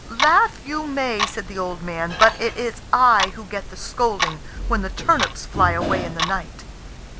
"Laugh you may," said the old man; "but it is I who get the scolding when the turnips fly away in the night."